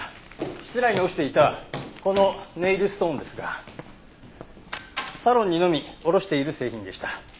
室内に落ちていたこのネイルストーンですがサロンにのみ卸している製品でした。